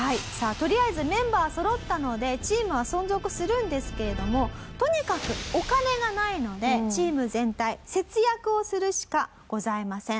とりあえずメンバーそろったのでチームは存続するんですけれどもとにかくお金がないのでチーム全体節約をするしかございません。